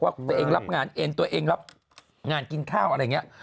ตัวเองรับงานเองตัวเองรับงานกินข้าวอะไรอย่างนี้